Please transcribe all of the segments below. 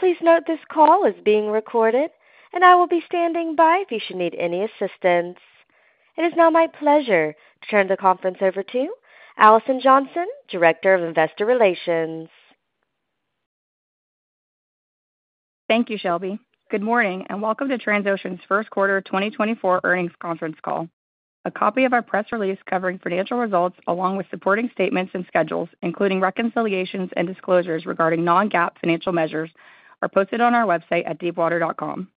Please note this call is being recorded, and I will be standing by if you should need any assistance. It is now my pleasure to turn the conference over to Alison Johnson, Director of Investor Relations. Thank you, Shelby. Good morning and welcome to Transocean's 1Q 2024 earnings conference call. A copy of our press release covering financial results along with supporting statements and schedules, including reconciliations and disclosures regarding non-GAAP financial measures, are posted on our website at deepwater.com.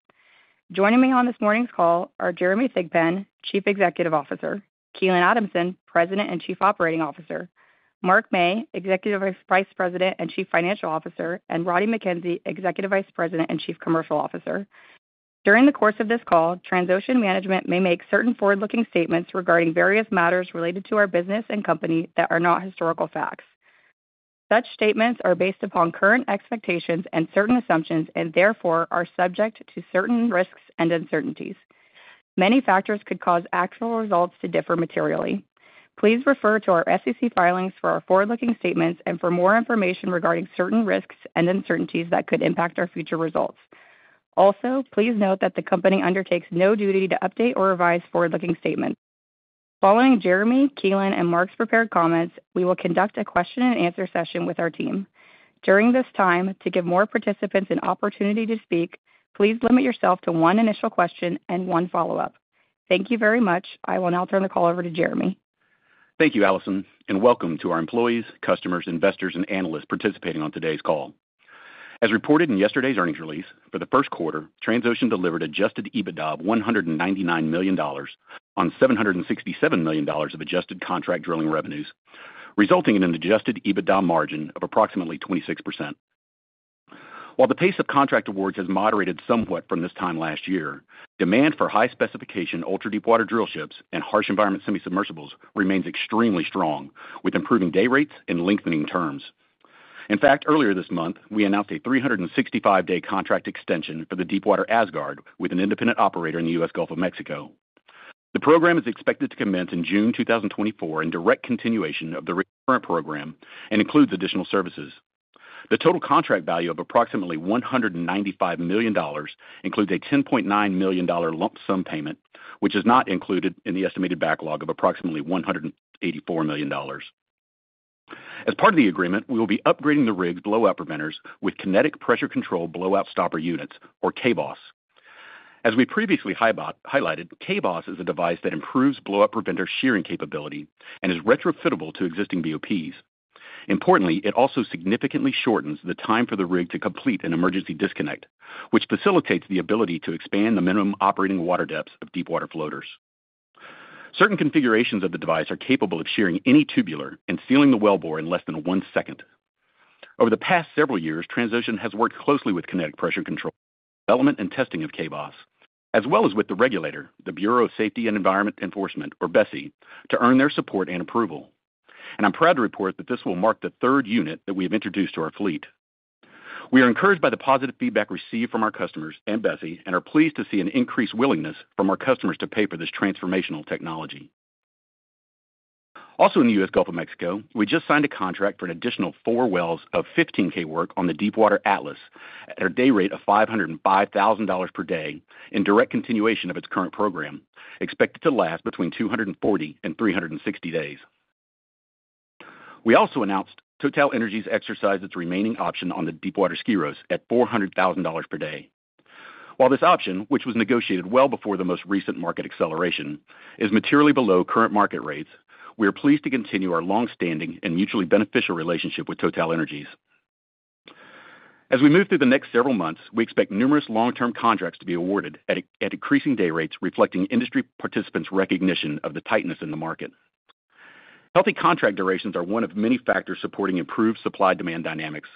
Joining me on this morning's call are Jeremy Thigpen, Chief Executive Officer; Keelan Adamson, President and Chief Operating Officer; Mark Mey, Executive Vice President and Chief Financial Officer; and Roddie Mackenzie, Executive Vice President and Chief Commercial Officer. During the course of this call, Transocean management may make certain forward-looking statements regarding various matters related to our business and company that are not historical facts. Such statements are based upon current expectations and certain assumptions and therefore are subject to certain risks and uncertainties. Many factors could cause actual results to differ materially. Please refer to our SEC filings for our forward-looking statements and for more information regarding certain risks and uncertainties that could impact our future results. Also, please note that the company undertakes no duty to update or revise forward-looking statements. Following Jeremy, Keelan, and Mark's prepared comments, we will conduct a question-and-answer session with our team. During this time, to give more participants an opportunity to speak, please limit yourself to one initial question and one follow-up. Thank you very much. I will now turn the call over to Jeremy. Thank you, Alison, and welcome to our employees, customers, investors, and analysts participating on today's call. As reported in yesterday's earnings release, for the 1Q, Transocean delivered adjusted EBITDA of $199 million on $767 million of adjusted contract drilling revenues, resulting in an adjusted EBITDA margin of approximately 26%. While the pace of contract awards has moderated somewhat from this time last year, demand for high-specification ultra-deepwater drillships and harsh environment semi-submersibles remains extremely strong, with improving day rates and lengthening terms. In fact, earlier this month, we announced a 365-day contract extension for the Deepwater Asgard with an independent operator in the U.S. Gulf of Mexico. The program is expected to commence in June 2024 in direct continuation of the current program and includes additional services. The total contract value of approximately $195 million includes a $10.9 million lump sum payment, which is not included in the estimated backlog of approximately $184 million. As part of the agreement, we will be upgrading the rig's blowout preventers with Kinetic Pressure Control Blowout Stopper units, or K-BOS. As we previously highlighted, K-BOS is a device that improves blowout preventer shearing capability and is retrofitable to existing BOPs. Importantly, it also significantly shortens the time for the rig to complete an emergency disconnect, which facilitates the ability to expand the minimum operating water depths of deepwater floaters. Certain configurations of the device are capable of shearing any tubular and sealing the wellbore in less than one second. Over the past several years, Transocean has worked closely with Kinetic Pressure Control for development and testing of K-BOS, as well as with the regulator, the Bureau of Safety and Environmental Enforcement, or BSEE, to earn their support and approval. I'm proud to report that this will mark the third unit that we have introduced to our fleet. We are encouraged by the positive feedback received from our customers and BSEE and are pleased to see an increased willingness from our customers to pay for this transformational technology. Also, in the U.S. Gulf of Mexico, we just signed a contract for an additional four wells of 15K work on the Deepwater Atlas at a day rate of $505,000 per day in direct continuation of its current program, expected to last between 240 and 360 days. We also announced TotalEnergies exercised its remaining option on the Deepwater Skyros at $400,000 per day. While this option, which was negotiated well before the most recent market acceleration, is materially below current market rates, we are pleased to continue our long-standing and mutually beneficial relationship with TotalEnergies. As we move through the next several months, we expect numerous long-term contracts to be awarded at increasing day rates reflecting industry participants' recognition of the tightness in the market. Healthy contract durations are one of many factors supporting improved supply-demand dynamics.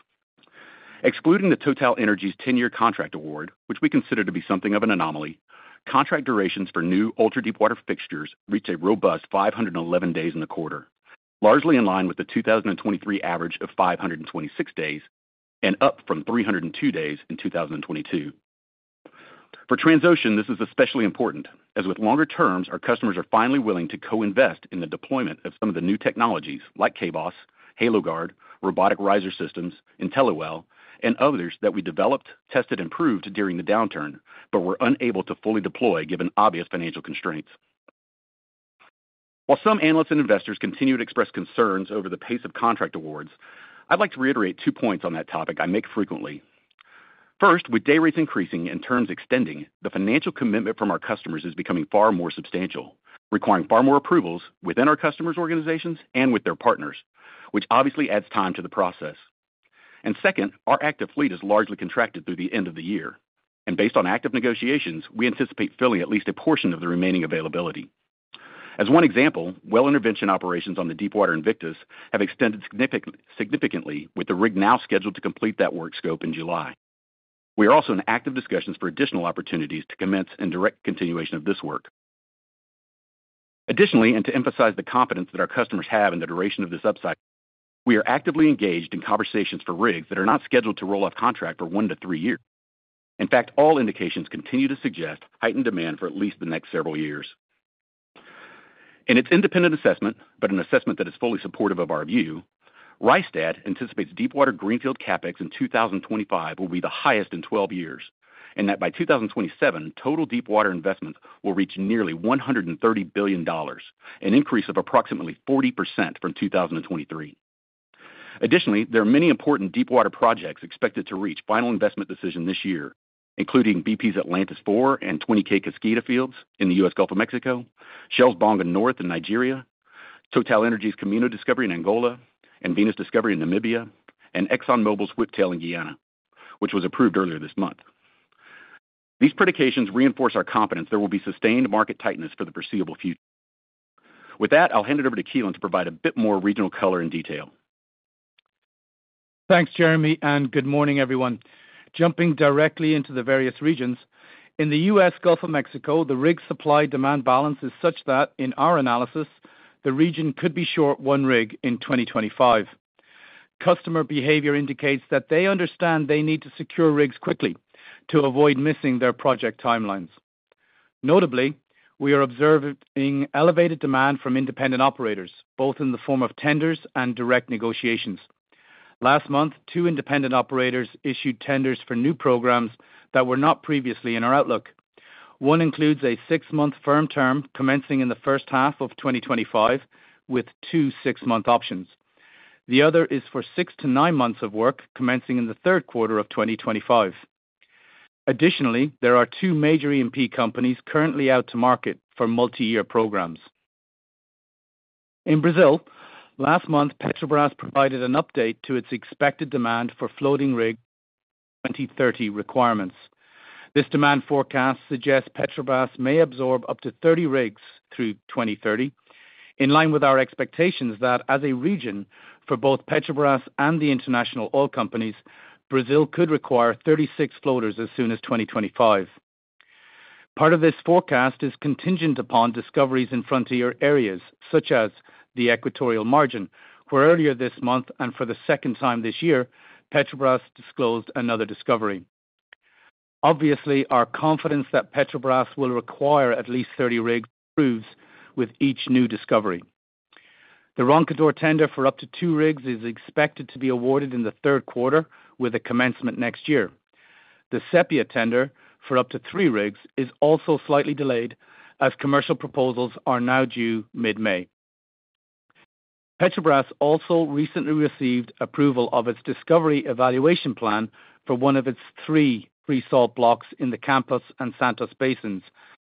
Excluding the TotalEnergies 10-year contract award, which we consider to be something of an anomaly, contract durations for new ultra-deepwater fixtures reach a robust 511 days in the quarter, largely in line with the 2023 average of 526 days and up from 302 days in 2022. For Transocean, this is especially important, as with longer terms, our customers are finally willing to co-invest in the deployment of some of the new technologies like K-BOS, HaloGuard, Robotic Riser Systems, Intelliwell, and others that we developed, tested, and proved during the downturn but were unable to fully deploy given obvious financial constraints. While some analysts and investors continue to express concerns over the pace of contract awards, I'd like to reiterate two points on that topic I make frequently. First, with day rates increasing and terms extending, the financial commitment from our customers is becoming far more substantial, requiring far more approvals within our customers' organizations and with their partners, which obviously adds time to the process. And second, our active fleet is largely contracted through the end of the year, and based on active negotiations, we anticipate filling at least a portion of the remaining availability. As one example, well intervention operations on the Deepwater Invictus have extended significantly, with the rig now scheduled to complete that work scope in July. We are also in active discussions for additional opportunities to commence in direct continuation of this work. Additionally, and to emphasize the confidence that our customers have in the duration of this upside, we are actively engaged in conversations for rigs that are not scheduled to roll off contract for 1-3 years. In fact, all indications continue to suggest heightened demand for at least the next several years. In its independent assessment, but an assessment that is fully supportive of our view, Rystad anticipates deepwater greenfield CapEx in 2025 will be the highest in 12 years, and that by 2027, total deepwater investments will reach nearly $130 billion, an increase of approximately 40% from 2023. Additionally, there are many important deepwater projects expected to reach final investment decision this year, including BP's Atlantis IV and 20K Kaskida Fields in the U.S. Gulf of Mexico, Shell's Bonga North in Nigeria, TotalEnergies' Kaminho Discovery in Angola, and Venus Discovery in Namibia, and ExxonMobil's Whiptail in Guyana, which was approved earlier this month. These predictions reinforce our confidence there will be sustained market tightness for the foreseeable future. With that, I'll hand it over to Keelan to provide a bit more regional color and detail. Thanks, Jeremy, and good morning, everyone. Jumping directly into the various regions: in the U.S. Gulf of Mexico, the rig supply-demand balance is such that, in our analysis, the region could be short one rig in 2025. Customer behavior indicates that they understand they need to secure rigs quickly to avoid missing their project timelines. Notably, we are observing elevated demand from independent operators, both in the form of tenders and direct negotiations. Last month, two independent operators issued tenders for new programs that were not previously in our outlook. One includes a six-month firm term commencing in the first half of 2025 with two six-month options. The other is for six to nine months of work commencing in the third quarter of 2025. Additionally, there are two major E&P companies currently out to market for multi-year programs. In Brazil, last month, Petrobras provided an update to its expected demand for floating rigs for 2030 requirements. This demand forecast suggests Petrobras may absorb up to 30 rigs through 2030, in line with our expectations that, as a region, for both Petrobras and the international oil companies, Brazil could require 36 floaters as soon as 2025. Part of this forecast is contingent upon discoveries in frontier areas, such as the Equatorial Margin, where earlier this month and for the second time this year, Petrobras disclosed another discovery. Obviously, our confidence that Petrobras will require at least 30 rigs proves with each new discovery. The Roncador tender for up to 2 rigs is expected to be awarded in the third quarter, with a commencement next year. TheSépia tender for up to 3 rigs is also slightly delayed, as commercial proposals are now due mid-May. Petrobras also recently received approval of its discovery evaluation plan for one of its three pre-salt blocks in the Campos and Santos basins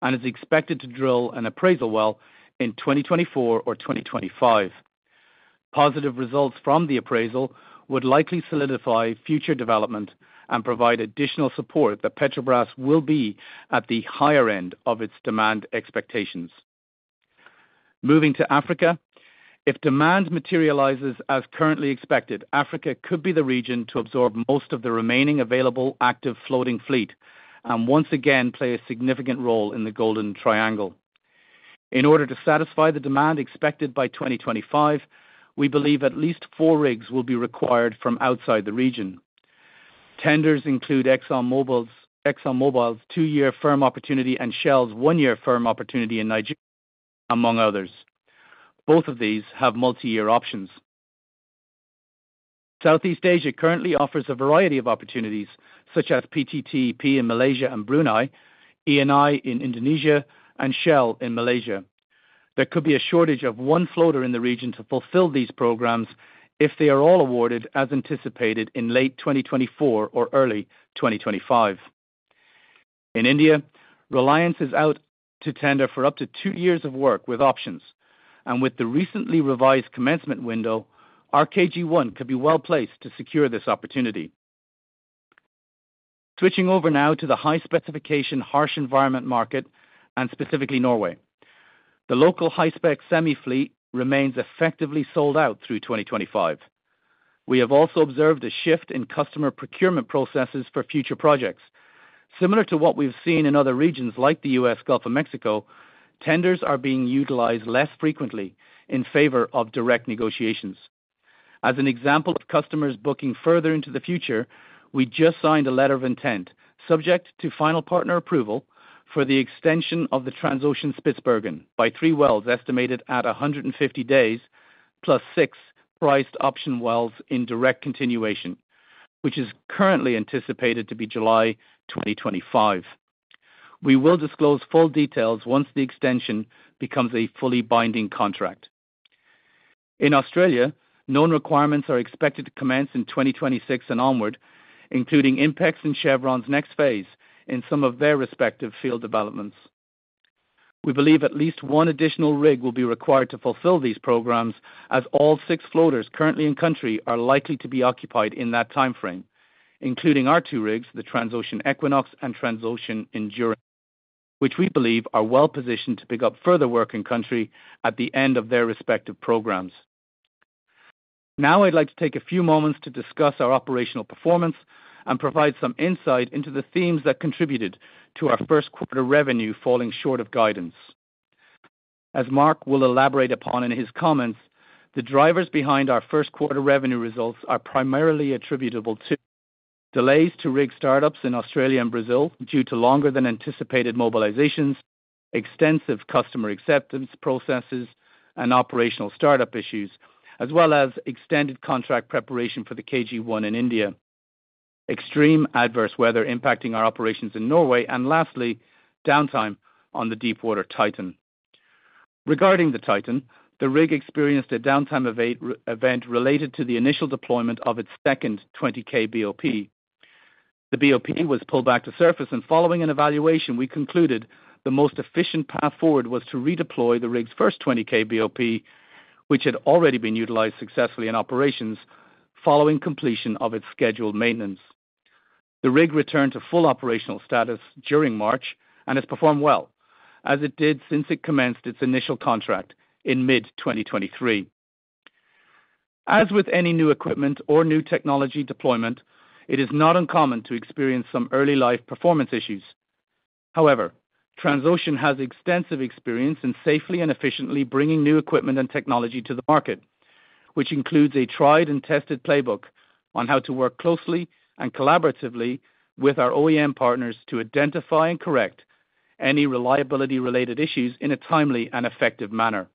and is expected to drill an appraisal well in 2024 or 2025. Positive results from the appraisal would likely solidify future development and provide additional support that Petrobras will be at the higher end of its demand expectations. Moving to Africa: if demand materializes as currently expected, Africa could be the region to absorb most of the remaining available active floating fleet and once again play a significant role in the Golden Triangle. In order to satisfy the demand expected by 2025, we believe at least four rigs will be required from outside the region. Tenders include ExxonMobil's two-year firm opportunity and Shell's one-year firm opportunity in Nigeria, among others. Both of these have multi-year options. Southeast Asia currently offers a variety of opportunities, such as PTTEP in Malaysia and Brunei, Eni in Indonesia, and Shell in Malaysia. There could be a shortage of one floater in the region to fulfill these programs if they are all awarded as anticipated in late 2024 or early 2025. In India, Reliance is out to tender for up to two years of work with options, and with the recently revised commencement window, our KG1 could be well placed to secure this opportunity. Switching over now to the high-specification harsh environment market and specifically Norway: the local high-spec semi-fleet remains effectively sold out through 2025. We have also observed a shift in customer procurement processes for future projects. Similar to what we've seen in other regions like the U.S. Gulf of Mexico, tenders are being utilized less frequently in favor of direct negotiations. As an example of customers booking further into the future, we just signed a letter of intent, subject to final partner approval, for the extension of the Transocean Spitzbergen by 3 wells estimated at 150 days plus 6 priced option wells in direct continuation, which is currently anticipated to be July 2025. We will disclose full details once the extension becomes a fully binding contract. In Australia, known requirements are expected to commence in 2026 and onward, including Inpex and Chevron's next phase in some of their respective field developments. We believe at least one additional rig will be required to fulfill these programs, as all 6 floaters currently in country are likely to be occupied in that time frame, including our 2 rigs, the Transocean Equinox and Transocean Endurance, which we believe are well positioned to pick up further work in country at the end of their respective programs. Now I'd like to take a few moments to discuss our operational performance and provide some insight into the themes that contributed to our first-quarter revenue falling short of guidance. As Mark will elaborate upon in his comments, the drivers behind our first-quarter revenue results are primarily attributable to delays to rig startups in Australia and Brazil due to longer-than-anticipated mobilizations, extensive customer acceptance processes, and operational startup issues, as well as extended contract preparation for the KG1 in India, extreme adverse weather impacting our operations in Norway, and lastly, downtime on the Deepwater Titan. Regarding the Titan, the rig experienced a downtime event related to the initial deployment of its second 20K BOP. The BOP was pulled back to surface, and following an evaluation, we concluded the most efficient path forward was to redeploy the rig's first 20K BOP, which had already been utilized successfully in operations following completion of its scheduled maintenance. The rig returned to full operational status during March and has performed well, as it did since it commenced its initial contract in mid-2023. As with any new equipment or new technology deployment, it is not uncommon to experience some early-life performance issues. However, Transocean has extensive experience in safely and efficiently bringing new equipment and technology to the market, which includes a tried-and-tested playbook on how to work closely and collaboratively with our OEM partners to identify and correct any reliability-related issues in a timely and effective manner.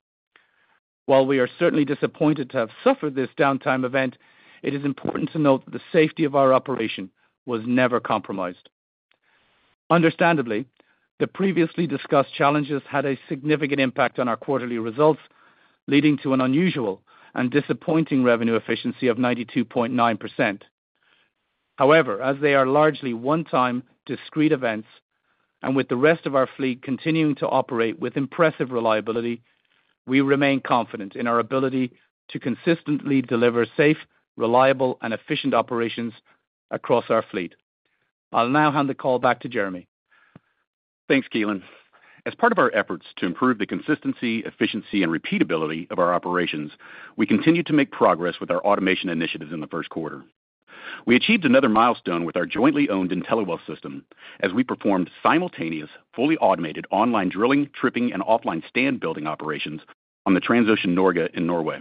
While we are certainly disappointed to have suffered this downtime event, it is important to note that the safety of our operation was never compromised. Understandably, the previously discussed challenges had a significant impact on our quarterly results, leading to an unusual and disappointing revenue efficiency of 92.9%. However, as they are largely one-time discrete events and with the rest of our fleet continuing to operate with impressive reliability, we remain confident in our ability to consistently deliver safe, reliable, and efficient operations across our fleet. I'll now hand the call back to Jeremy. Thanks, Keelan. As part of our efforts to improve the consistency, efficiency, and repeatability of our operations, we continue to make progress with our automation initiatives in the 1Q. We achieved another milestone with our jointly owned Intelliwell system as we performed simultaneous, fully automated online drilling, tripping, and offline stand-building operations on the Transocean Norge in Norway,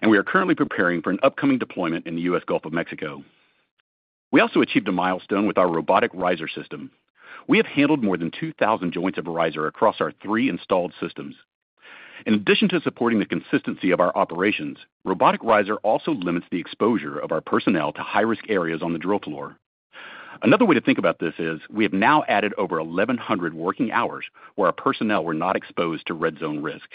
and we are currently preparing for an upcoming deployment in the U.S. Gulf of Mexico. We also achieved a milestone with our Robotic Riser system. We have handled more than 2,000 joints of riser across our three installed systems. In addition to supporting the consistency of our operations, Robotic Riser also limits the exposure of our personnel to high-risk areas on the drill floor. Another way to think about this is we have now added over 1,100 working hours where our personnel were not exposed to red-zone risk.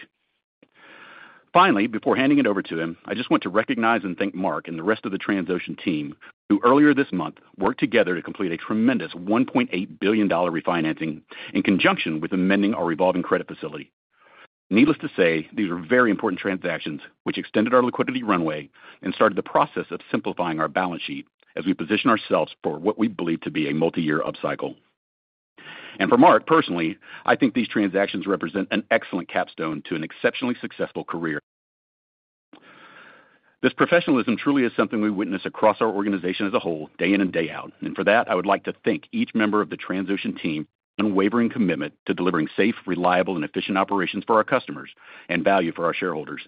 Finally, before handing it over to him, I just want to recognize and thank Mark and the rest of the Transocean team who, earlier this month, worked together to complete a tremendous $1.8 billion refinancing in conjunction with amending our revolving credit facility. Needless to say, these were very important transactions, which extended our liquidity runway and started the process of simplifying our balance sheet as we position ourselves for what we believe to be a multi-year upcycle. And for Mark, personally, I think these transactions represent an excellent capstone to an exceptionally successful career. This professionalism truly is something we witness across our organization as a whole, day in and day out, and for that, I would like to thank each member of the Transocean team for their unwavering commitment to delivering safe, reliable, and efficient operations for our customers and value for our shareholders.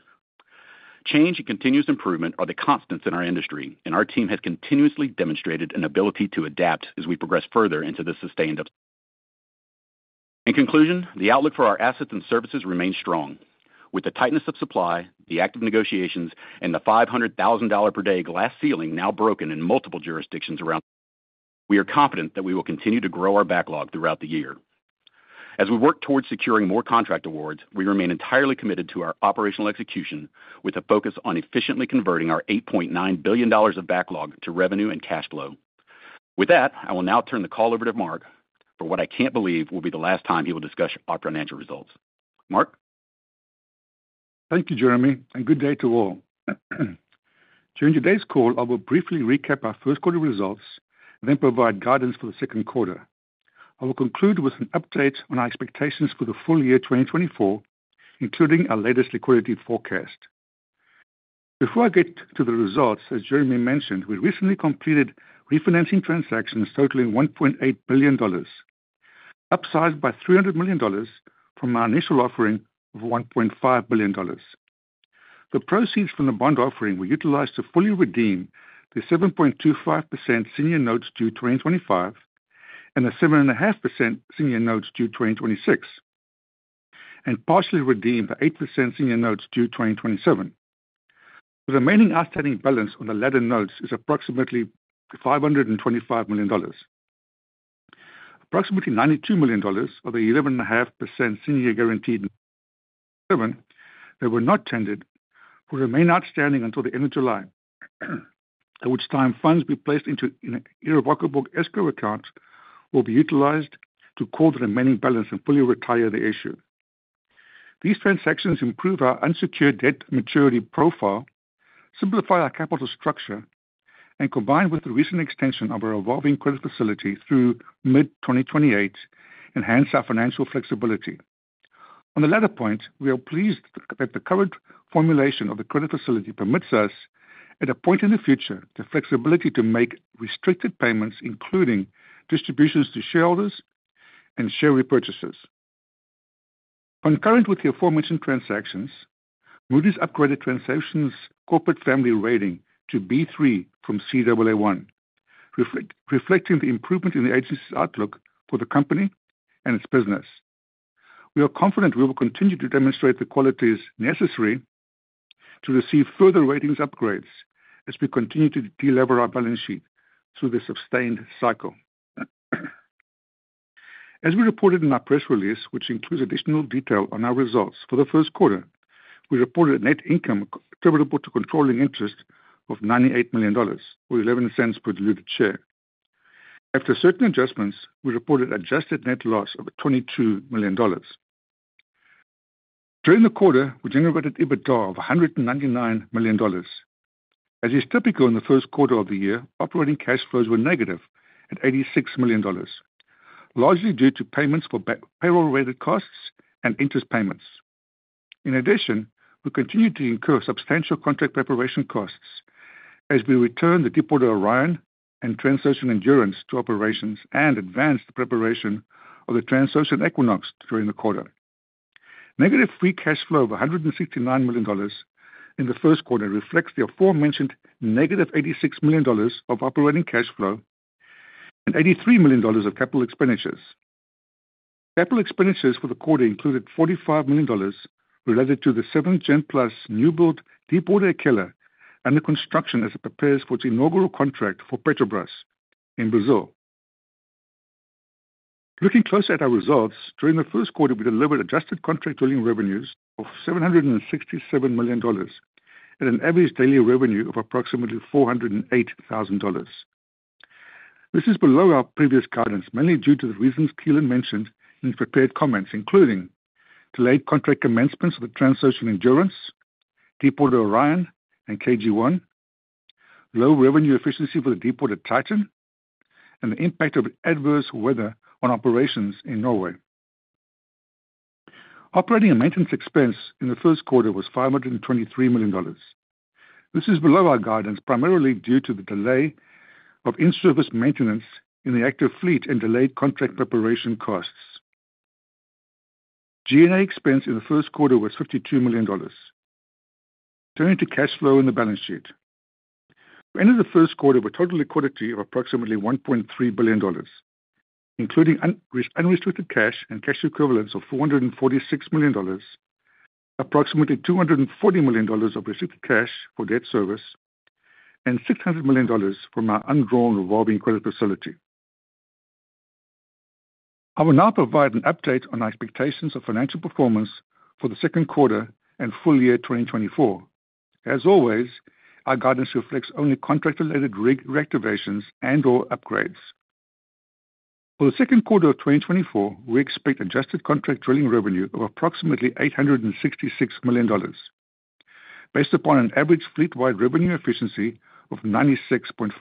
Change and continuous improvement are the constants in our industry, and our team has continuously demonstrated an ability to adapt as we progress further into this sustained upcycle. In conclusion, the outlook for our assets and services remains strong. With the tightness of supply, the active negotiations, and the $500,000 per day glass ceiling now broken in multiple jurisdictions around the world, we are confident that we will continue to grow our backlog throughout the year. As we work towards securing more contract awards, we remain entirely committed to our operational execution with a focus on efficiently converting our $8.9 billion of backlog to revenue and cash flow. With that, I will now turn the call over to Mark for what I can't believe will be the last time he will discuss our financial results. Mark? Thank you, Jeremy, and good day to all. During today's call, I will briefly recap our first-quarter results, then provide guidance for the 2Q. I will conclude with an update on our expectations for the full year 2024, including our latest liquidity forecast. Before I get to the results, as Jeremy mentioned, we recently completed refinancing transactions totaling $1.8 billion, upsized by $300 million from our initial offering of $1.5 billion. The proceeds from the bond offering were utilized to fully redeem the 7.25% senior notes due 2025 and the 7.5% senior notes due 2026, and partially redeem the 8% senior notes due 2027. The remaining outstanding balance on the latter notes is approximately $525 million. Approximately $92 million of the 11.5% senior guaranteed notes that were not tendered will remain outstanding until the end of July, at which time funds will be placed into an irrevocable escrow account or be utilized to call the remaining balance and fully retire the issue. These transactions improve our unsecured debt maturity profile, simplify our capital structure, and, combined with the recent extension of our revolving credit facility through mid-2028, enhance our financial flexibility. On the latter point, we are pleased that the current formulation of the credit facility permits us, at a point in the future, the flexibility to make restricted payments, including distributions to shareholders and share repurchases. Concurrent with the aforementioned transactions, Moody's upgraded Transocean's Corporate Family Rating to B3 from Caa1, reflecting the improvement in the agency's outlook for the company and its business. We are confident we will continue to demonstrate the qualities necessary to receive further ratings upgrades as we continue to delever our balance sheet through this sustained cycle. As we reported in our press release, which includes additional detail on our results for the 1Q, we reported a net income equivalent to controlling interest of $98 million or $0.11 per diluted share. After certain adjustments, we reported adjusted net loss of $22 million. During the quarter, we generated EBITDA of $199 million. As is typical in the 1Q of the year, operating cash flows were negative at $86 million, largely due to payments for payroll-related costs and interest payments. In addition, we continued to incur substantial contract preparation costs as we returned the Deepwater Orion and Transocean Endurance to operations and advanced the preparation of the Transocean Equinox during the quarter. Negative free cash flow of $169 million in the 1Q reflects the aforementioned -$86 million of operating cash flow and $83 million of capital expenditures. Capital expenditures for the quarter included $45 million related to the 7th Gen+ new-built Deepwater Akela and the construction as it prepares for its inaugural contract for Petrobras in Brazil. Looking closer at our results, during the 1Q, we delivered adjusted contract drilling revenues of $767 million and an average daily revenue of approximately $408,000. This is below our previous guidance, mainly due to the reasons Keelan mentioned in his prepared comments, including delayed contract commencements of the Transocean Endurance, Deepwater Orion and KG1, low revenue efficiency for the Deepwater Titan, and the impact of adverse weather on operations in Norway. Operating and maintenance expense in the 1Q was $523 million. This is below our guidance, primarily due to the delay of in-service maintenance in the active fleet and delayed contract preparation costs. G&A expense in the 1Q was $52 million. Turning to cash flow in the balance sheet: We ended the 1Q with total liquidity of approximately $1.3 billion, including unrestricted cash and cash equivalents of $446 million, approximately $240 million of restricted cash for debt service, and $600 million from our undrawn revolving credit facility. I will now provide an update on our expectations of financial performance for the 2Q and full year 2024. As always, our guidance reflects only contract-related rig reactivations and/or upgrades. For the 2Q of 2024, we expect adjusted contract drilling revenue of approximately $866 million, based upon an average fleet-wide revenue efficiency of 96.5%.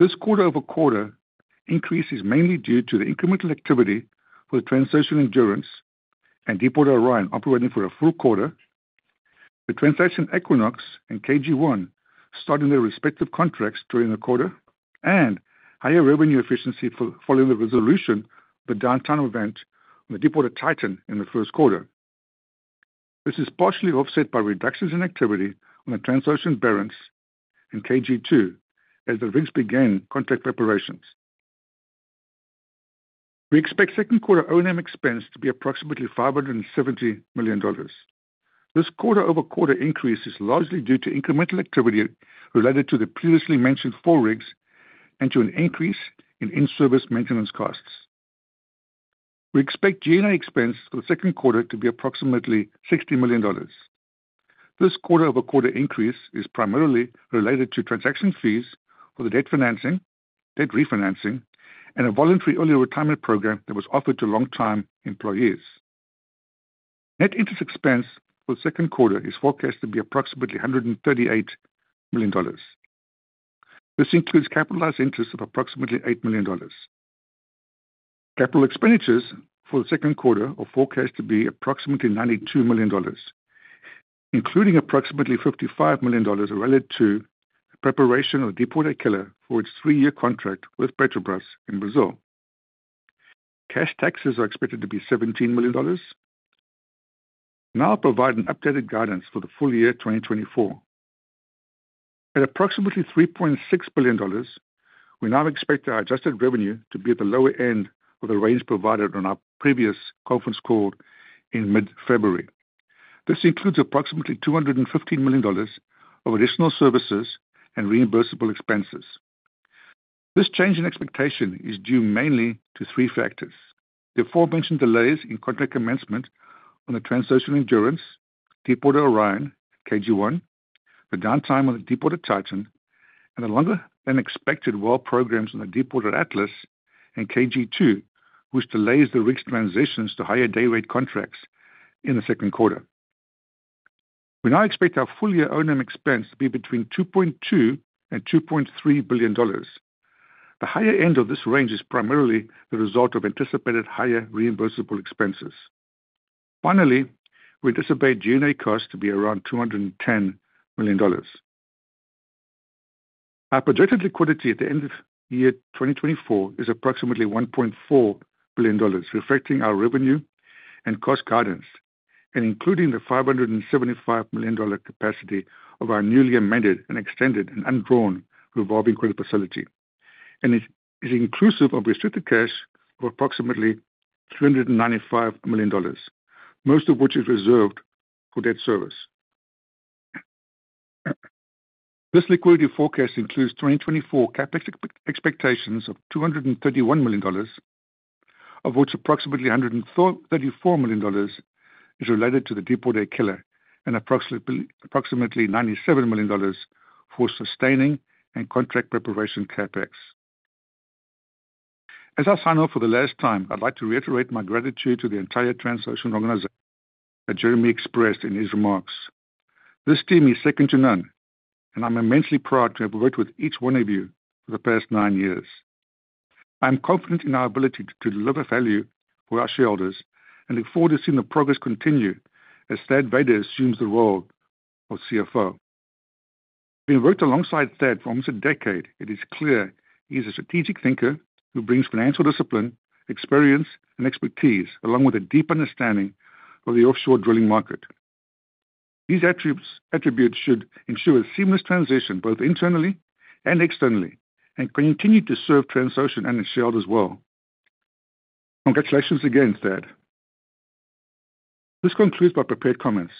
This quarter-over-quarter increase is mainly due to the incremental activity for the Transocean Endurance and Deepwater Orion operating for a full quarter, the Transocean Equinox and KG1 starting their respective contracts during the quarter, and higher revenue efficiency following the resolution of the downtime event on the Deepwater Titan in the 1Q. This is partially offset by reductions in activity on the Transocean Barrents and KG2 as the rigs began contract preparations. We expect second-quarter O&M expense to be approximately $570 million. This quarter-over-quarter increase is largely due to incremental activity related to the previously mentioned four rigs and to an increase in in-service maintenance costs. We expect G&A expense for the 2Q to be approximately $60 million. This quarter-over-quarter increase is primarily related to transaction fees for the debt refinancing and a voluntary early retirement program that was offered to long-time employees. Net interest expense for the 2Q is forecast to be approximately $138 million. This includes capitalized interest of approximately $8 million. Capital expenditures for the 2Q are forecast to be approximately $92 million, including approximately $55 million related to the preparation of the Deepwater Akela for its three-year contract with Petrobras in Brazil. Cash taxes are expected to be $17 million. Now I'll provide an updated guidance for the full year 2024. At approximately $3.6 billion, we now expect our adjusted revenue to be at the lower end of the range provided on our previous conference call in mid-February. This includes approximately $215 million of additional services and reimbursable expenses. This change in expectation is due mainly to three factors: the aforementioned delays in contract commencement on the Transocean Endurance, Deepwater Orion and KG1, the downtime on the Deepwater Titan, and the longer-than-expected well programs on the Deepwater Atlas and KG2, which delays the rigs' transitions to higher day-rate contracts in the 2Q. We now expect our full-year O&M expense to be between $2.2 billion and $2.3 billion. The higher end of this range is primarily the result of anticipated higher reimbursable expenses. Finally, we anticipate G&A costs to be around $210 million. Our projected liquidity at the end of year 2024 is approximately $1.4 billion, reflecting our revenue and cost guidance and including the $575 million capacity of our newly amended and extended and undrawn revolving credit facility, and it is inclusive of restricted cash of approximately $395 million, most of which is reserved for debt service. This liquidity forecast includes 2024 CapEx expectations of $231 million, of which approximately $134 million is related to the Deepwater Akela and approximately $97 million for sustaining and contract preparation CapEx. As I sign off for the last time, I'd like to reiterate my gratitude to the entire Transocean organization that Jeremy expressed in his remarks. This team is second to none, and I'm immensely proud to have worked with each one of you for the past nine years. I am confident in our ability to deliver value for our shareholders and look forward to seeing the progress continue as Thad Vayda assumes the role of CFO. Having worked alongside Thad for almost a decade, it is clear he is a strategic thinker who brings financial discipline, experience, and expertise, along with a deep understanding of the offshore drilling market. These attributes should ensure a seamless transition both internally and externally and continue to serve Transocean and its shareholders well. Congratulations again, Thad. This concludes my prepared comments.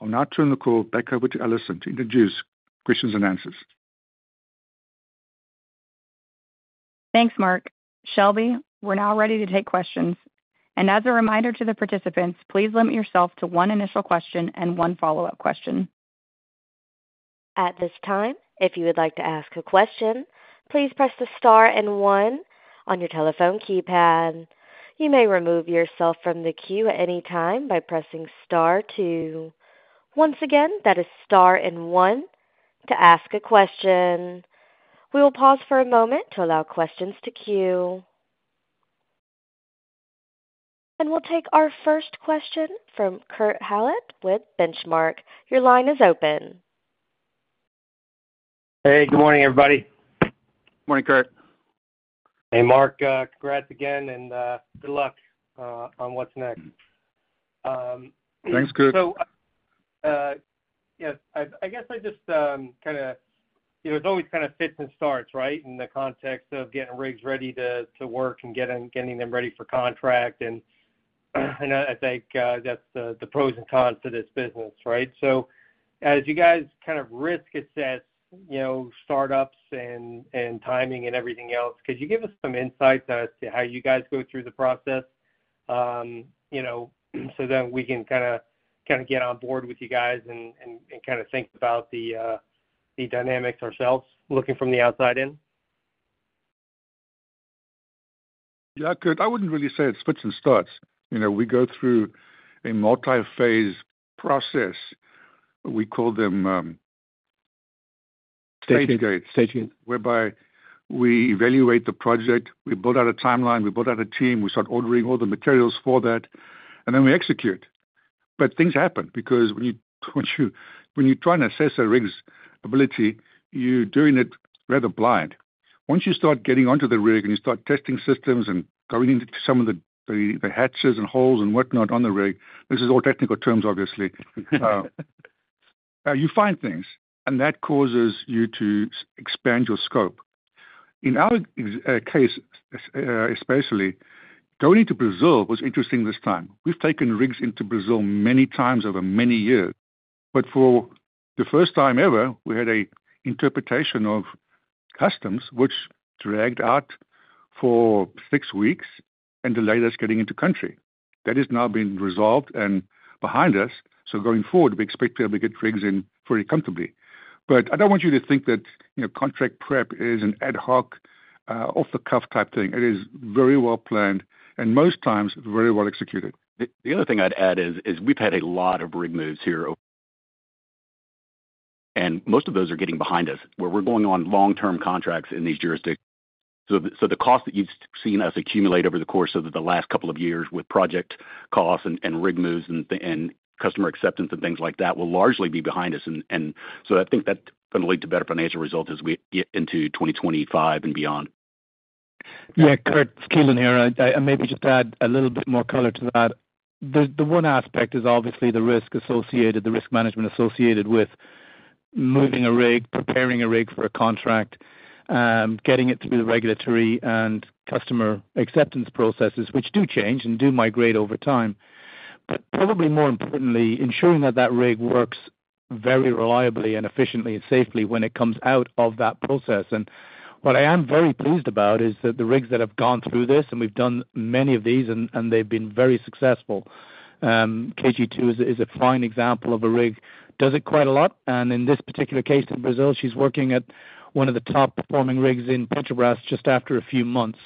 I'll now turn the call back over to Alison to introduce questions and answers. Thanks, Mark. Shelby, we're now ready to take questions. As a reminder to the participants, please limit yourself to one initial question and one follow-up question. At this time, if you would like to ask a question, please press the star and one on your telephone keypad. You may remove yourself from the queue at any time by pressing star two. Once again, that is star and one to ask a question. We will pause for a moment to allow questions to queue. We'll take our first question from Kurt Hallead with Benchmark. Your line is open. Hey, good morning, everybody. Morning, Kurt. Hey, Mark. Congrats again, and good luck on what's next. Thanks, Kurt. So, yeah, I guess I just kind of it always kind of fits and starts, right, in the context of getting rigs ready to work and getting them ready for contract. And I think that's the pros and cons to this business, right? So as you guys kind of risk assess startups and timing and everything else, could you give us some insights as to how you guys go through the process so that we can kind of get on board with you guys and kind of think about the dynamics ourselves looking from the outside in? Yeah, Kurt, I wouldn't really say it fits and starts. We go through a multi-phase process. We call them stage gates. Staging it. Whereby we evaluate the project, we build out a timeline, we build out a team, we start ordering all the materials for that, and then we execute. But things happen because when you're trying to assess a rig's ability, you're doing it rather blind. Once you start getting onto the rig and you start testing systems and going into some of the hatches and holes and whatnot on the rig - this is all technical terms, obviously - you find things, and that causes you to expand your scope. In our case, especially, going into Brazil was interesting this time. We've taken rigs into Brazil many times over many years. But for the first time ever, we had an interpretation of customs which dragged out for six weeks and delayed us getting into country. That has now been resolved and behind us. Going forward, we expect to be able to get rigs in very comfortably. I don't want you to think that contract prep is an ad hoc, off-the-cuff type thing. It is very well planned and most times very well executed. The other thing I'd add is we've had a lot of rig moves here, and most of those are getting behind us where we're going on long-term contracts in these jurisdictions. So the cost that you've seen us accumulate over the course of the last couple of years with project costs and rig moves and customer acceptance and things like that will largely be behind us. And so I think that's going to lead to better financial results as we get into 2025 and beyond. Yeah, Kurt, it's Keelan here. I maybe just add a little bit more color to that. The one aspect is obviously the risk associated, the risk management associated with moving a rig, preparing a rig for a contract, getting it through the regulatory and customer acceptance processes, which do change and do migrate over time. But probably more importantly, ensuring that that rig works very reliably and efficiently and safely when it comes out of that process. And what I am very pleased about is that the rigs that have gone through this - and we've done many of these, and they've been very successful - KG2 is a fine example of a rig. Does it quite a lot. And in this particular case in Brazil, she's working at one of the top-performing rigs in Petrobras just after a few months.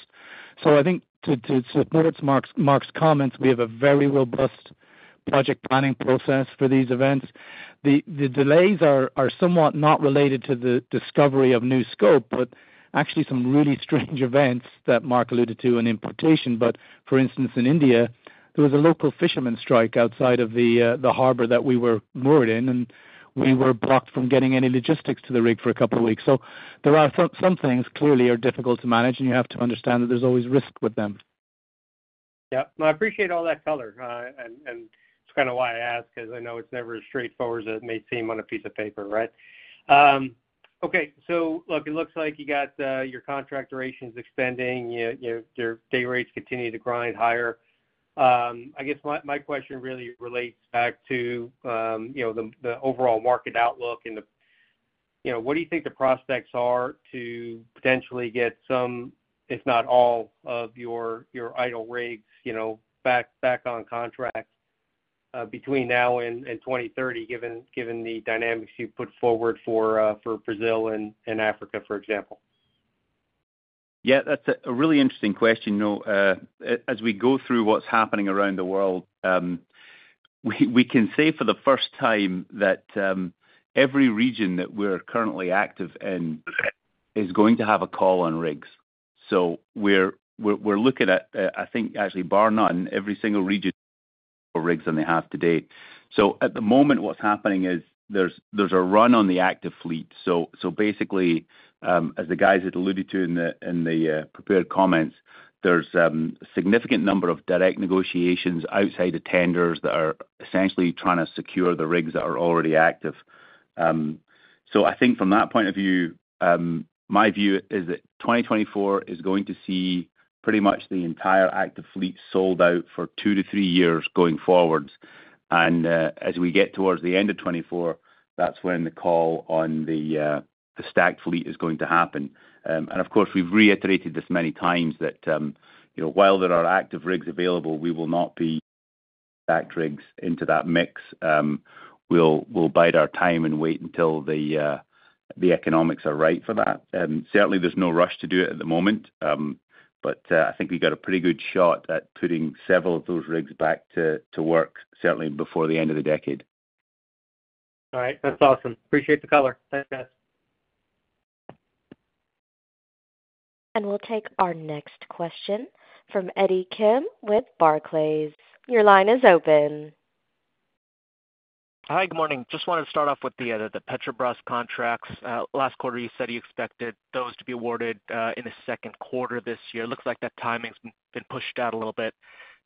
So I think to support Mark's comments, we have a very robust project planning process for these events. The delays are somewhat not related to the discovery of new scope, but actually some really strange events that Mark alluded to in imputation. But for instance, in India, there was a local fishermen strike outside of the harbor that we were moored in, and we were blocked from getting any logistics to the rig for a couple of weeks. So there are some things that clearly are difficult to manage, and you have to understand that there's always risk with them. Yeah. No, I appreciate all that color. And it's kind of why I ask because I know it's never as straightforward as it may seem on a piece of paper, right? Okay. So look, it looks like you got your contract durations extending, your day rates continue to grind higher. I guess my question really relates back to the overall market outlook and what do you think the prospects are to potentially get some, if not all, of your idle rigs back on contract between now and 2030, given the dynamics you've put forward for Brazil and Africa, for example? Yeah, that's a really interesting question. As we go through what's happening around the world, we can say for the first time that every region that we're currently active in is going to have a call on rigs. So we're looking at, I think, actually bar none, every single region. Rigs than they have today. So at the moment, what's happening is there's a run on the active fleet. So basically, as the guys had alluded to in the prepared comments, there's a significant number of direct negotiations outside of tenders that are essentially trying to secure the rigs that are already active. So I think from that point of view, my view is that 2024 is going to see pretty much the entire active fleet sold out for 2-3 years going forward. As we get towards the end of 2024, that's when the call on the stacked fleet is going to happen. Of course, we've reiterated this many times that while there are active rigs available, we will not be stacked rigs into that mix. We'll bide our time and wait until the economics are right for that. Certainly, there's no rush to do it at the moment, but I think we got a pretty good shot at putting several of those rigs back to work, certainly before the end of the decade. All right. That's awesome. Appreciate the color. Thanks, guys. We'll take our next question from Eddie Kim with Barclays. Your line is open. Hi, good morning. Just wanted to start off with the Petrobras contracts. Last quarter, you said you expected those to be awarded in the 2Q this year. Looks like that timing's been pushed out a little bit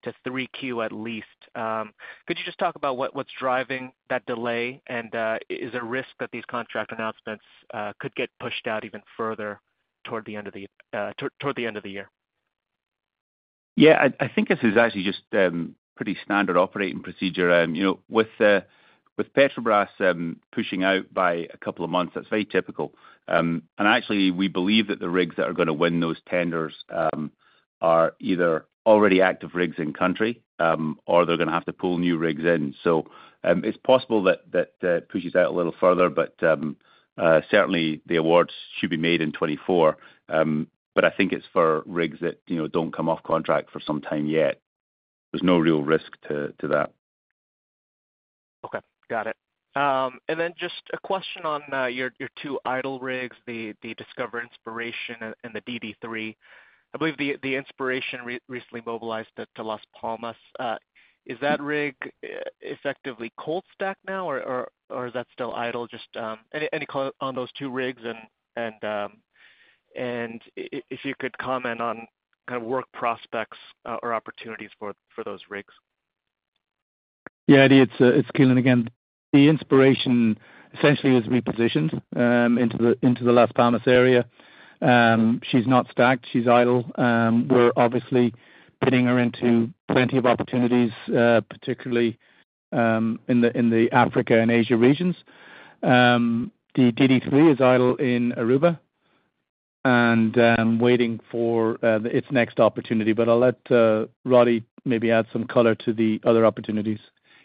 to 3Q at least. Could you just talk about what's driving that delay, and is there a risk that these contract announcements could get pushed out even further toward the end of the year? Yeah, I think this is actually just pretty standard operating procedure. With Petrobras pushing out by a couple of months, that's very typical. Actually, we believe that the rigs that are going to win those tenders are either already active rigs in country or they're going to have to pull new rigs in. It's possible that that pushes out a little further, but certainly, the awards should be made in 2024. I think it's for rigs that don't come off contract for some time yet. There's no real risk to that. Okay. Got it. And then just a question on your two idle rigs, the Discoverer Inspiration and the DD3. I believe the Inspiration recently mobilized to Las Palmas. Is that rig effectively cold-stacked now, or is that still idle? Just any call on those two rigs and if you could comment on kind of work prospects or opportunities for those rigs. Yeah, Eddie, it's Keelan again. The Inspiration essentially was repositioned into the Las Palmas area. She's not stacked. She's idle. We're obviously putting her into plenty of opportunities, particularly in the Africa and Asia regions. The DD3 is idle in Aruba and waiting for its next opportunity. But I'll let Roddie maybe add some color to the other opportunities.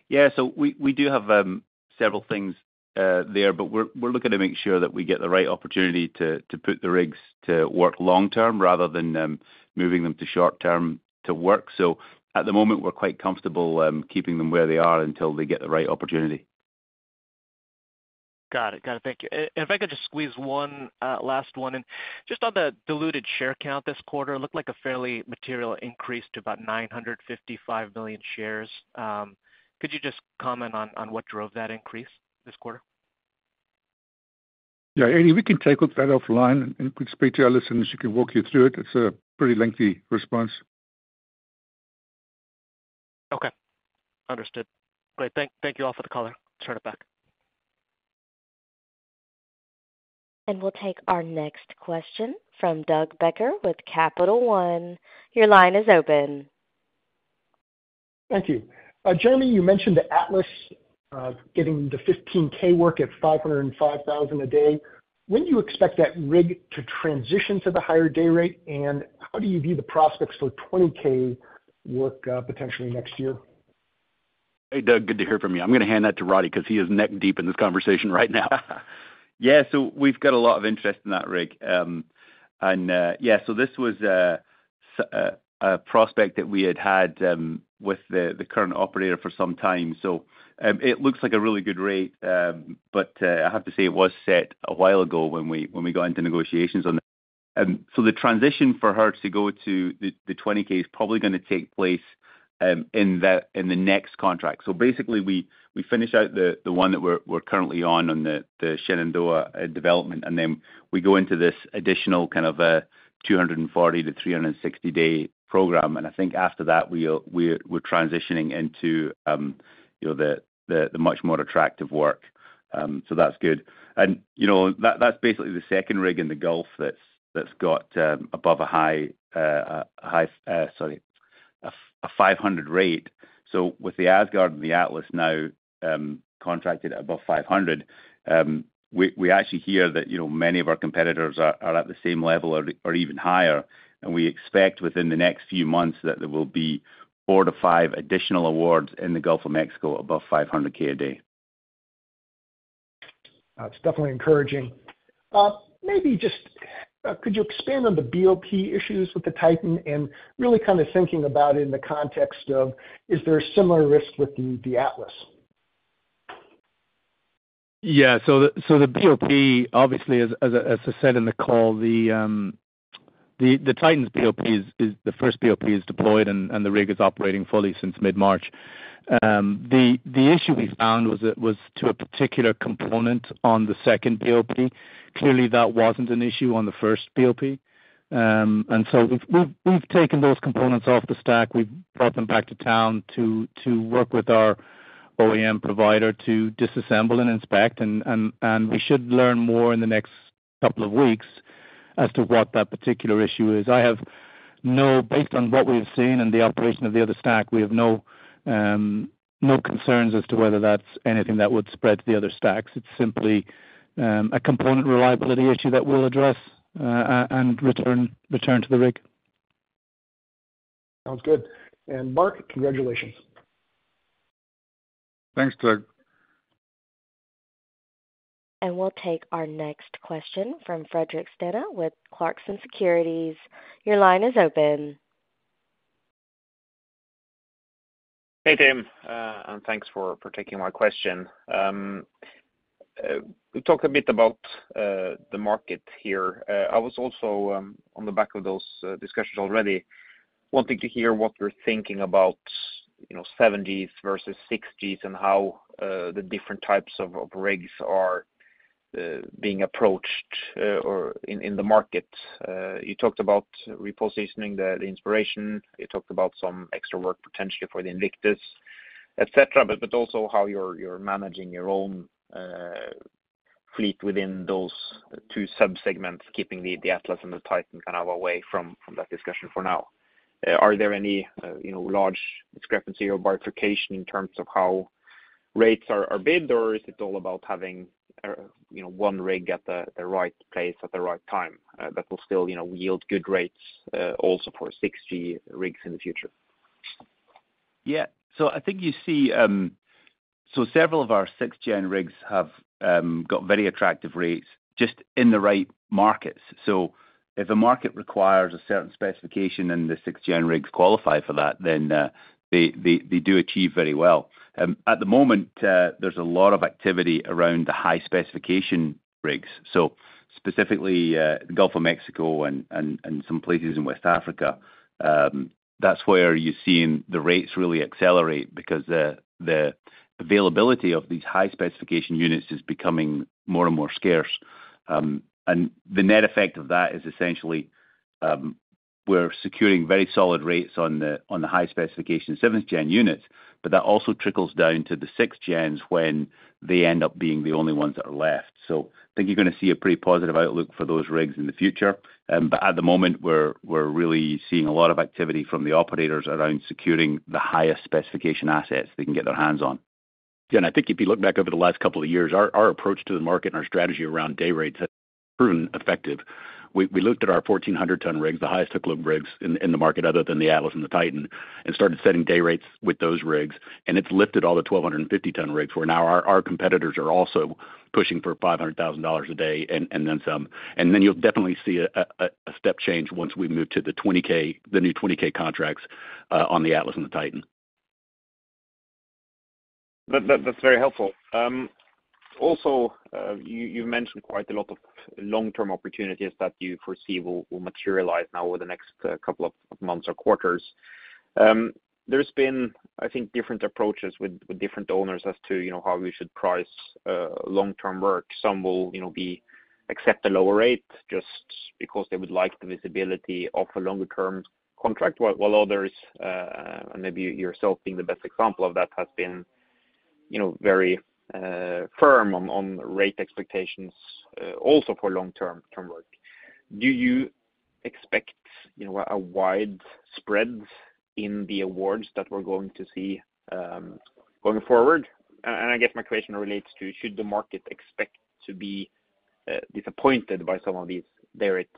Yeah. So we do have several things there, but we're looking to make sure that we get the right opportunity to put the rigs to work long-term rather than moving them to short-term to work. So at the moment, we're quite comfortable keeping them where they are until they get the right opportunity. Got it. Got it. Thank you. If I could just squeeze one last one. Just on the diluted share count this quarter, it looked like a fairly material increase to about 955 million shares. Could you just comment on what drove that increase this quarter? Yeah, Eddie, we can take a look at that offline and we can speak to Alison and she can walk you through it. It's a pretty lengthy response. Okay. Understood. Great. Thank you all for the color. Turn it back. We'll take our next question from Doug Becker with Capital One. Your line is open. Thank you. Jeremy, you mentioned Atlas getting the 15K work at $505,000 a day. When do you expect that rig to transition to the higher day rate, and how do you view the prospects for 20K work potentially next year? Hey, Doug, good to hear from you. I'm going to hand that to Roddie because he is neck-deep in this conversation right now. Yeah. So we've got a lot of interest in that rig. And yeah, so this was a prospect that we had had with the current operator for some time. So it looks like a really good rate, but I have to say it was set a while ago when we got into negotiations on it. So the transition for her to go to the 20K is probably going to take place in the next contract. So basically, we finish out the one that we're currently on, the Shenandoah development, and then we go into this additional kind of 240-360-day program. And I think after that, we're transitioning into the much more attractive work. So that's good. That's basically the second rig in the Gulf that's got above, sorry, a $500 rate. So with the Asgard and the Atlas now contracted above $500, we actually hear that many of our competitors are at the same level or even higher. We expect within the next few months that there will be 4 to 5 additional awards in the Gulf of Mexico above $500K a day. That's definitely encouraging. Maybe just could you expand on the BOP issues with the Titan and really kind of thinking about it in the context of, is there a similar risk with the Atlas? Yeah. So the BOP, obviously, as I said in the call, the Deepwater Titan's BOP is the first BOP is deployed, and the rig is operating fully since mid-March. The issue we found was to a particular component on the second BOP. Clearly, that wasn't an issue on the first BOP. And so we've taken those components off the stack. We've brought them back to town to work with our OEM provider to disassemble and inspect. And we should learn more in the next couple of weeks as to what that particular issue is. Based on what we've seen and the operation of the other stack, we have no concerns as to whether that's anything that would spread to the other stacks. It's simply a component reliability issue that we'll address and return to the rig. Sounds good. And Mark, congratulations. Thanks, Doug. We'll take our next question from Fredrik Stene with Clarkson Securities. Your line is open. Hey, Tim. Thanks for taking my question. We talked a bit about the market here. I was also, on the back of those discussions already, wanting to hear what you're thinking about 7Gs versus 6Gs and how the different types of rigs are being approached in the market. You talked about repositioning the Inspiration. You talked about some extra work potentially for the Invictus, etc., but also how you're managing your own fleet within those two subsegments, keeping the Atlas and the Titan kind of away from that discussion for now. Are there any large discrepancy or bifurcation in terms of how rates are bid, or is it all about having one rig at the right place at the right time that will still yield good rates also for 6G rigs in the future? Yeah. So I think you see so several of our 6th-gen rigs have got very attractive rates just in the right markets. So if a market requires a certain specification and the 6th-gen rigs qualify for that, then they do achieve very well. At the moment, there's a lot of activity around the high-specification rigs. So specifically, the Gulf of Mexico and some places in West Africa, that's where you're seeing the rates really accelerate because the availability of these high-specification units is becoming more and more scarce. And the net effect of that is essentially we're securing very solid rates on the high-specification 7th-gen units, but that also trickles down to the 6th gens when they end up being the only ones that are left. So I think you're going to see a pretty positive outlook for those rigs in the future. At the moment, we're really seeing a lot of activity from the operators around securing the highest specification assets they can get their hands on. Yeah. And I think if you look back over the last couple of years, our approach to the market and our strategy around day rates has proven effective. We looked at our 1,400-ton rigs, the highest hook load rigs in the market other than the Atlas and the Titan, and started setting day rates with those rigs. And it's lifted all the 1,250-ton rigs where now our competitors are also pushing for $500,000 a day and then some. And then you'll definitely see a step change once we move to the new 20K contracts on the Atlas and the Titan. That's very helpful. Also, you've mentioned quite a lot of long-term opportunities that you foresee will materialize now over the next couple of months or quarters. There's been, I think, different approaches with different owners as to how we should price long-term work. Some will accept a lower rate just because they would like the visibility of a longer-term contract, while others - and maybe yourself being the best example of that - have been very firm on rate expectations also for long-term work. Do you expect a wide spread in the awards that we're going to see going forward? And I guess my question relates to, should the market expect to be disappointed by some of these day rate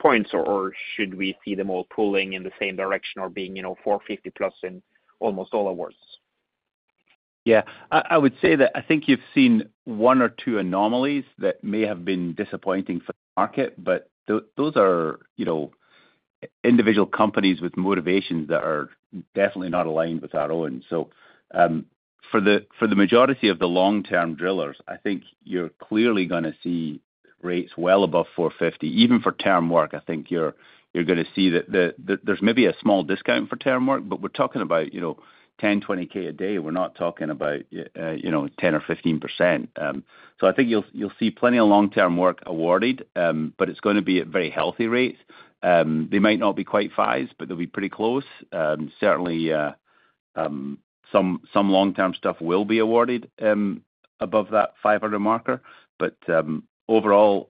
points, or should we see them all pulling in the same direction or being 450+ in almost all awards? Yeah. I would say that I think you've seen one or two anomalies that may have been disappointing for the market, but those are individual companies with motivations that are definitely not aligned with our own. So for the majority of the long-term drillers, I think you're clearly going to see rates well above $450K. Even for term work, I think you're going to see that there's maybe a small discount for term work, but we're talking about $10K, $20K a day. We're not talking about 10% or 15%. So I think you'll see plenty of long-term work awarded, but it's going to be at very healthy rates. They might not be quite fives, but they'll be pretty close. Certainly, some long-term stuff will be awarded above that $500K marker. Overall,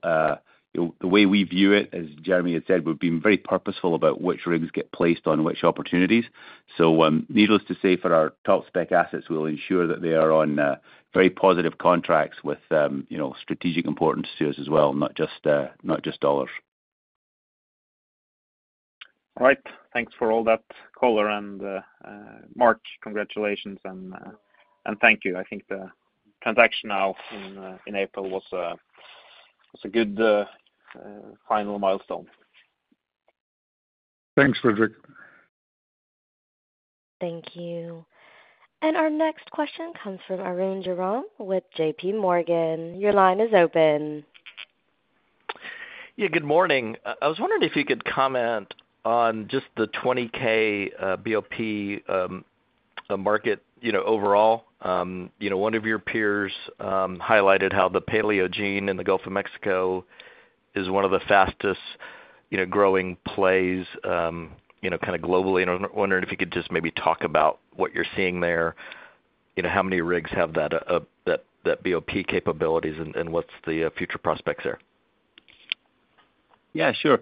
the way we view it, as Jeremy had said, we've been very purposeful about which rigs get placed on which opportunities. Needless to say, for our top-spec assets, we'll ensure that they are on very positive contracts with strategic importance to us as well, not just dollars. All right. Thanks for all that color. And Mark, congratulations. And thank you. I think the transaction now in April was a good final milestone. Thanks, Fredrik. Thank you. Our next question comes from Arun Jayaram with JPMorgan. Your line is open. Yeah. Good morning. I was wondering if you could comment on just the 20K BOP market overall. One of your peers highlighted how the Paleogene in the Gulf of Mexico is one of the fastest-growing plays kind of globally. And I'm wondering if you could just maybe talk about what you're seeing there. How many rigs have that BOP capabilities, and what's the future prospects there? Yeah. Sure.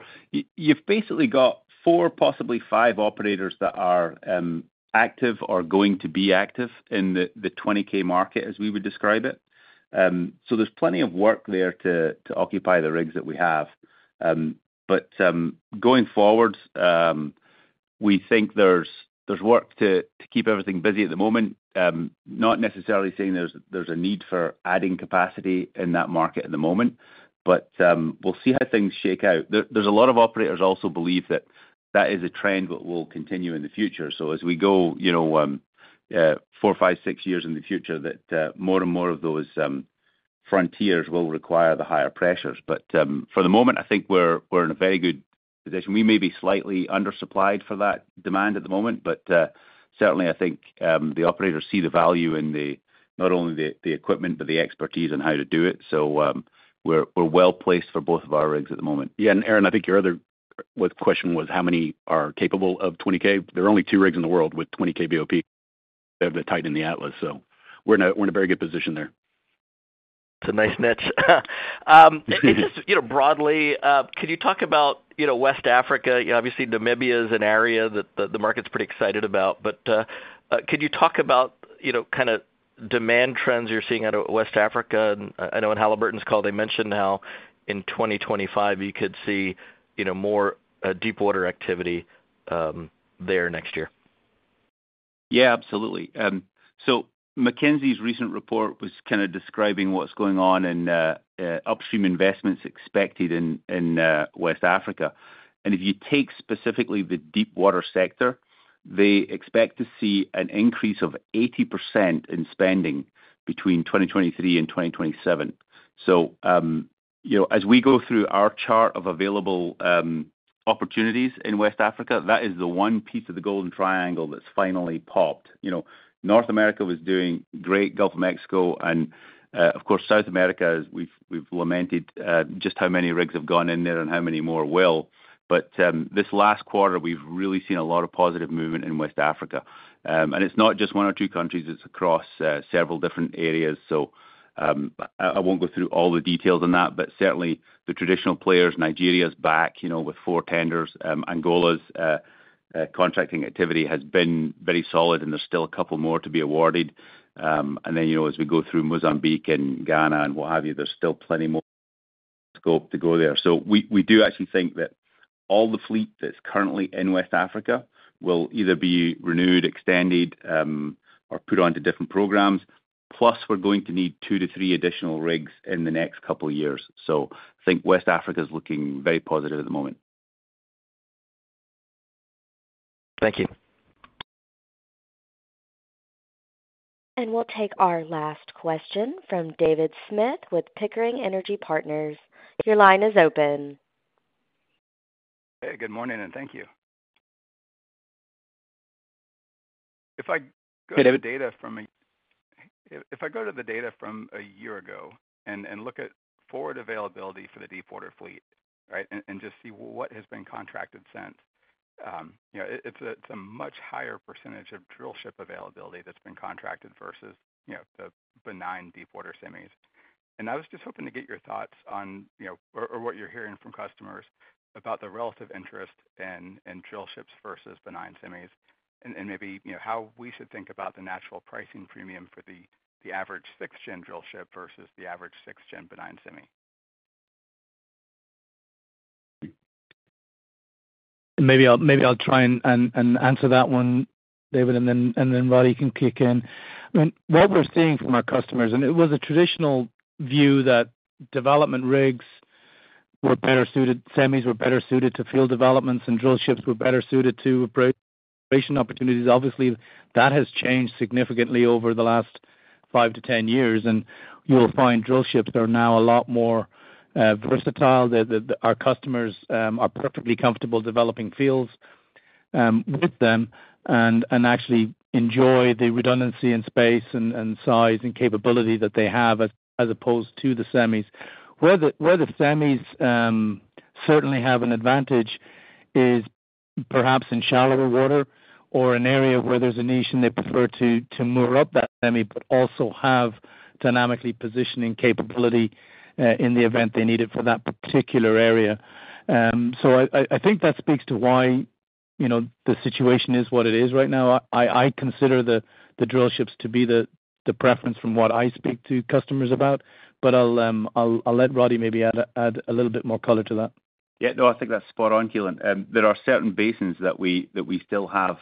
You've basically got four, possibly five operators that are active or going to be active in the 20K market, as we would describe it. So there's plenty of work there to occupy the rigs that we have. But going forward, we think there's work to keep everything busy at the moment. Not necessarily saying there's a need for adding capacity in that market at the moment, but we'll see how things shake out. There's a lot of operators also believe that that is a trend that will continue in the future. So as we go four, five, six years in the future, that more and more of those frontiers will require the higher pressures. But for the moment, I think we're in a very good position. We may be slightly undersupplied for that demand at the moment, but certainly, I think the operators see the value in not only the equipment but the expertise on how to do it. So we're well placed for both of our rigs at the moment. Yeah. Arun, I think your other question was how many are capable of 20K. There are only two rigs in the world with 20K BOP. They have the Titan and the Atlas. So we're in a very good position there. It's a nice niche. Broadly, could you talk about West Africa? Obviously, Namibia is an area that the market's pretty excited about. But could you talk about kind of demand trends you're seeing out of West Africa? And I know in Halliburton's call, they mentioned how in 2025, you could see more deepwater activity there next year. Yeah. Absolutely. So McKinsey's recent report was kind of describing what's going on and upstream investments expected in West Africa. And if you take specifically the deepwater sector, they expect to see an increase of 80% in spending between 2023 and 2027. So as we go through our chart of available opportunities in West Africa, that is the one piece of the Golden Triangle that's finally popped. North America was doing great. Gulf of Mexico and, of course, South America, we've lamented just how many rigs have gone in there and how many more will. But this last quarter, we've really seen a lot of positive movement in West Africa. And it's not just one or two countries. It's across several different areas. So I won't go through all the details on that. But certainly, the traditional players, Nigeria's back with four tenders. Angola's contracting activity has been very solid, and there's still a couple more to be awarded. And then as we go through Mozambique and Ghana and what have you, there's still plenty more scope to go there. So we do actually think that all the fleet that's currently in West Africa will either be renewed, extended, or put onto different programs. Plus, we're going to need 2-3 additional rigs in the next couple of years. So I think West Africa is looking very positive at the moment. Thank you. We'll take our last question from David Smith with Pickering Energy Partners. Your line is open. Good morning, and thank you. If I go to the data from a year ago and look at forward availability for the deepwater fleet, right, and just see what has been contracted since, it's a much higher percentage of drillship availability that's been contracted versus the benign deepwater semis. And I was just hoping to get your thoughts on or what you're hearing from customers about the relative interest in drillships versus benign semis and maybe how we should think about the natural pricing premium for the average 6th-gen drillship versus the average 6th-gen benign semi. Maybe I'll try and answer that one, David, and then Roddie can kick in. I mean, what we're seeing from our customers and it was a traditional view that development rigs were better suited semis were better suited to field developments, and drillships were better suited to exploration opportunities. Obviously, that has changed significantly over the last 5-10 years. You'll find drillships are now a lot more versatile. Our customers are perfectly comfortable developing fields with them and actually enjoy the redundancy in space and size and capability that they have as opposed to the semis. Where the semis certainly have an advantage is perhaps in shallower water or an area where there's a niche, and they prefer to moor up that semi but also have dynamic positioning capability in the event they need it for that particular area. I think that speaks to why the situation is what it is right now. I consider the drillships to be the preference from what I speak to customers about. I'll let Roddie maybe add a little bit more color to that. Yeah. No, I think that's spot-on, Keelan. There are certain basins that we still have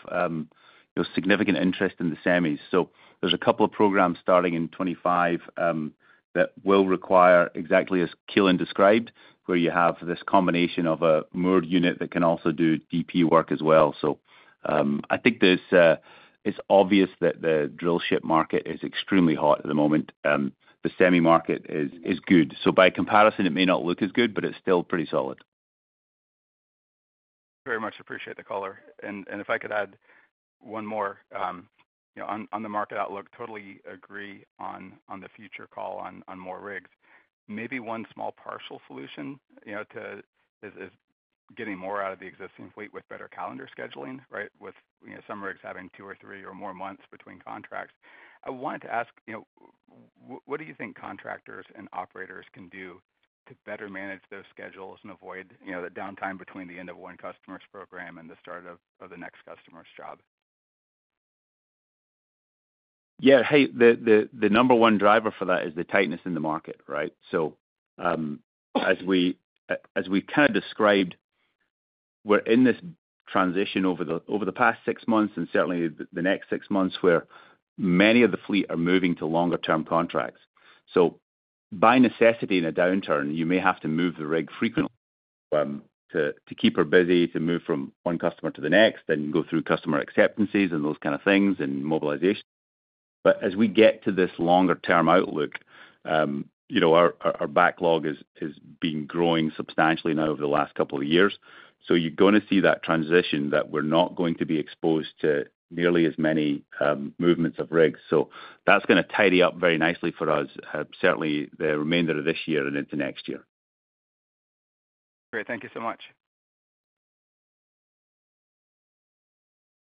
significant interest in the semis. So there's a couple of programs starting in 2025 that will require exactly as Keelan described, where you have this combination of a moored unit that can also do DP work as well. So I think it's obvious that the drillship market is extremely hot at the moment. The semi market is good. So by comparison, it may not look as good, but it's still pretty solid. Very much appreciate the color. If I could add one more on the market outlook, totally agree on the future call on more rigs. Maybe one small partial solution is getting more out of the existing fleet with better calendar scheduling, right, with some rigs having two or three or more months between contracts. I wanted to ask, what do you think contractors and operators can do to better manage their schedules and avoid the downtime between the end of one customer's program and the start of the next customer's job? Yeah. Hey, the number one driver for that is the tightness in the market, right? So as we kind of described, we're in this transition over the past six months and certainly the next six months where many of the fleet are moving to longer-term contracts. So by necessity in a downturn, you may have to move the rig frequently to keep her busy, to move from one customer to the next, then go through customer acceptances and those kind of things and mobilization. But as we get to this longer-term outlook, our backlog is being growing substantially now over the last couple of years. So you're going to see that transition that we're not going to be exposed to nearly as many movements of rigs. So that's going to tidy up very nicely for us, certainly the remainder of this year and into next year. Great. Thank you so much.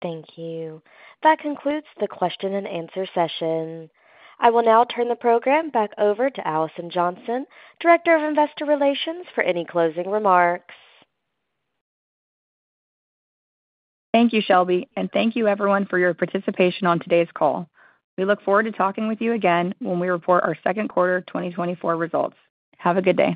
Thank you. That concludes the question-and-answer session. I will now turn the program back over to Alison Johnson, Director of Investor Relations, for any closing remarks. Thank you, Shelby. Thank you, everyone, for your participation on today's call. We look forward to talking with you again when we report our 2Q 2024 results. Have a good day.